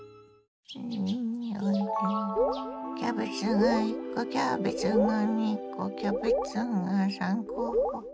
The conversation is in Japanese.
キャベツが１コキャベツが２コキャベツが３コ。